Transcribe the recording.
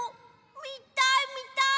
みたいみたい！